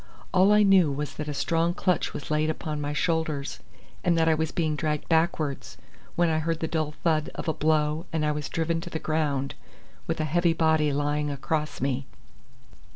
All I knew was that a strong clutch was laid upon my shoulders, and that I was being dragged backwards, when I heard the dull thud of a blow and I was driven to the ground, with a heavy body lying across me.